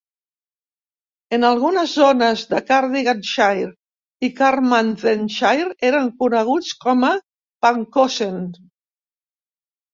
En algunes zones de Cardiganshire i Carmarthenshire eren coneguts com a "pancosen".